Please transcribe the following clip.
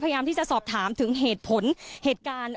พยายามที่จะสอบถามถึงเหตุผลเหตุการณ์